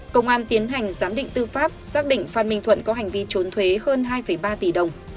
công an tiến hành giám định tư pháp xác định phan minh thuận có hành vi trốn thuế hơn hai ba tỷ đồng